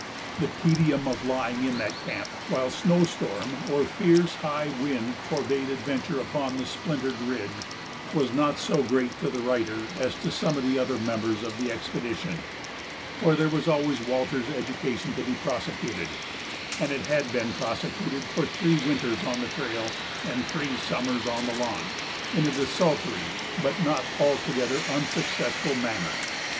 The tedium of lying in that camp while snow storm or fierce, high wind forbade adventure upon the splintered ridge was not so great to the writer as to some of the other members of the expedition, for there was always Walter's education to be prosecuted, as it had been prosecuted for three winters on the trail and three summers on the launch, in a desultory but not altogether unsuccessful manner.